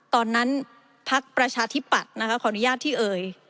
ตอนนั้นภักรณ์ประชาธิปัตย์ขออนุญาตที่เอ่ย